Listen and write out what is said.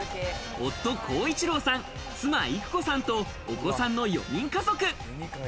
夫・康一郎さん、妻・郁子さんとお子さんの４人家族。